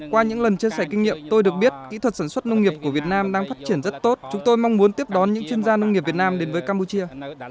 qua những lần chia sẻ kinh nghiệm tôi được biết kỹ thuật sản xuất nông nghiệp của việt nam đang phát triển rất tốt chúng tôi mong muốn tiếp đón những chuyên gia nông nghiệp việt nam đến với campuchia